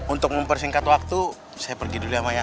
untuk mempersingkat waktu saya pergi dulu ya maya